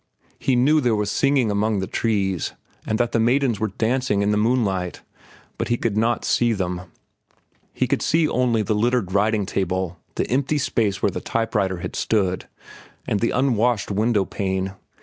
He knew there was singing among the trees and that the maidens were dancing in the moonlight, but he could not see them. He could see only the littered writing table, the empty space where the type writer had stood, and the unwashed window pane.